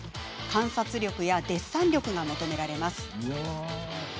観察力やデッサン力が求められます。